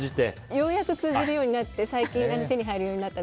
ようやく通じるようになって最近、手に入るようになった。